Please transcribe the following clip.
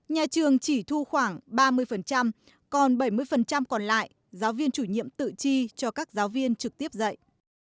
nhà trường chỉ thu khoảng ba mươi còn bảy mươi còn lại giáo viên chủ nhiệm tự chi cho các giáo viên trực tiếp dạy